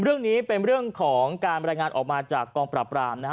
เรื่องนี้เป็นเรื่องของการบรรยายงานออกมาจากกองปราบรามนะฮะ